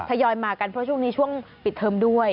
ทยอยมากันเพราะช่วงนี้ช่วงปิดเทอมด้วย